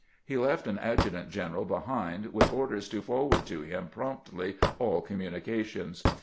He left an adjutant general behind, with orders to for ward to him promptly all communications.